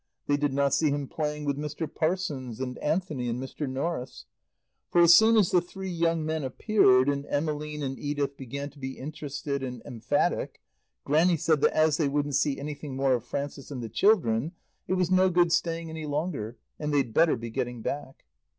They did not see him playing with Mr. Parsons and Anthony and Mr. Norris. For as soon as the three young men appeared, and Emmeline and Edith began to be interested and emphatic, Grannie said that as they wouldn't see anything more of Frances and the children, it was no good staying any longer, and they'd better be getting back.